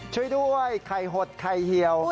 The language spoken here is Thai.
ช่วยด้วยไข่หดไข่เหี่ยว